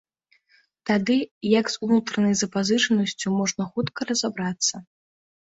Тады як з унутранай запазычанасцю можна хутка разабрацца.